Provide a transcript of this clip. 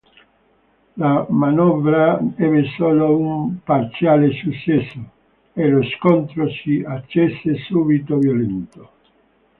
La manovra ebbe solo un parziale successo e lo scontro si accese subito violento.